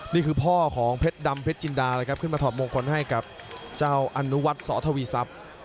นี่คือพ่อของเพชรดำเพชรจินดาเลยครับขึ้นมาถอดมงคลให้กับเจ้าอนุวัฒน์สอทวีทรัพย์